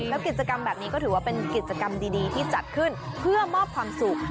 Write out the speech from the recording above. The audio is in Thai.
แล้วกิจกรรมแบบนี้ก็ถือว่าเป็นกิจกรรมดีที่จัดขึ้นเพื่อมอบความสุข